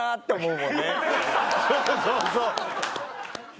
そうそうそう。